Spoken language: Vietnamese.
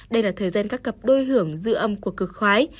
đây là thời gian các cặp đôi hưởng dư âm của cực khoái